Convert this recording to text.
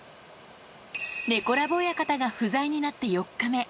猫ラブ親方が不在になって４日目。